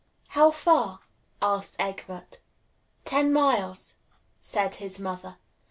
"How far?" asked Egbert. "Ten miles," said his mother.